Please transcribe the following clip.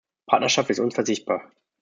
Partnerschaft ist unverzichtbar.